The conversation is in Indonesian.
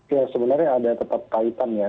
ya sebenarnya ada tetap kaitan ya